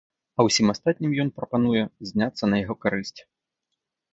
А ўсім астатнім ён прапануе зняцца на яго карысць.